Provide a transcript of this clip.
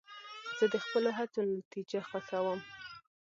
زه د خپلو هڅو نتیجه خوښوم.